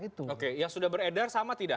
itu oke yang sudah beredar sama tidak